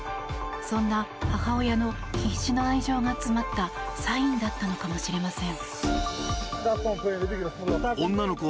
そんな母親の必死の愛情が詰まったサインだったのかもしれません。